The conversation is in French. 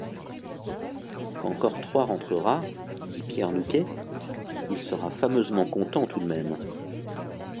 Quand Cortrois rentrera, dit Pierre Nouquet, il sera fameusement content tout de même!